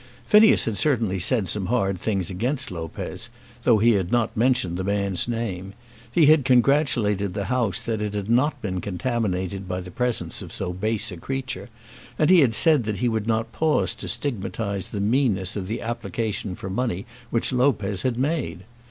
Phineas had certainly said some hard things against Lopez, though he had not mentioned the man's name. He had congratulated the House that it had not been contaminated by the presence of so base a creature, and he had said that he would not pause to stigmatise the meanness of the application for money which Lopez had made.